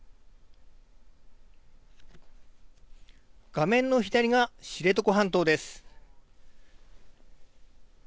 画面の左が知床半島です。